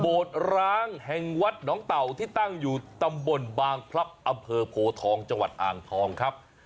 ร้างแห่งวัดหนองเต่าที่ตั้งอยู่ตำบลบางพลับอำเภอโพทองจังหวัดอ่างทองครับ